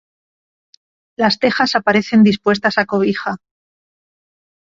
Las tejas aparecen dispuestas a cobija.